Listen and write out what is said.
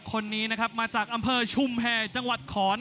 คนนี้นะครับมาจากอำเภอชุมแพรจังหวัดขอน